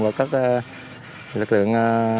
và các lực lượng